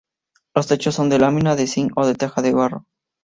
Los techos son de lámina de zinc o teja de barro.